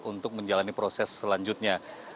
untuk menjalani proses selanjutnya